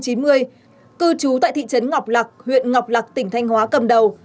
cư trú tại thị trấn ngọc lạc huyện ngọc lạc tỉnh thanh hóa cầm đầu